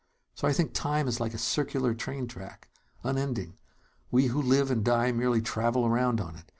So I think time is like a circular train track. Unending. We who live and die merely travel around on it.